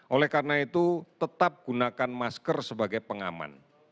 oleh karena itu tetap gunakan masker sebagai pengaman